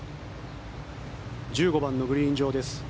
１５番のグリーン上です。